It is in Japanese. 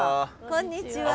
こんにちは。